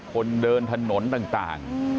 คนเดินถนนต่าง